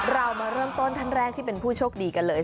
เรามาเริ่มต้นท่านแรกที่เป็นผู้โชคดีกันเลย